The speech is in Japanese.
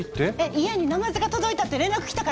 家にナマズが届いたって連絡来たから。